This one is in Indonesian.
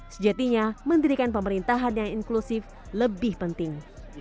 sejatinya mendirikan pemerintahan yang inklusif lebih penting